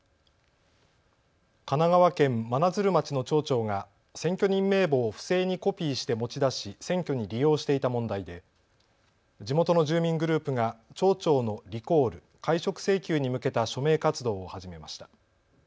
神奈川県真鶴町の町長が選挙人名簿を不正にコピーして持ち出し選挙に利用していた問題で地元の住民グループが町長のリコール・解職請求に向けた署名活動を始めました。